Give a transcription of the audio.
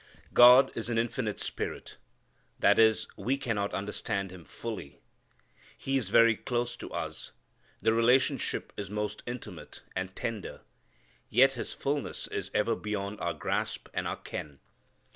God is an infinite spirit. That is, we cannot understand Him fully. He is very close to us. The relationship is most intimate, and tender, yet His fulness is ever beyond our grasp and our ken.